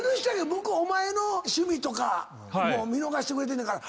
向こうお前の趣味とか見逃してくれてんねんから。